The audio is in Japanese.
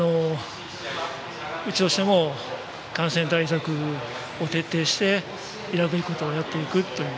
うちとしても感染対策を徹底してやるべきことをやっていく。